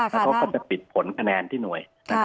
แล้วเขาก็จะปิดผลคะแนนที่หน่วย